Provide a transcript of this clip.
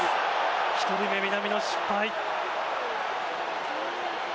１人目、南野失敗。